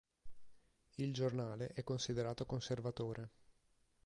Il giornale è considerato conservatore.